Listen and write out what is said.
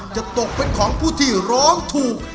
จะตกเป็นของผู้ที่ร้องถูก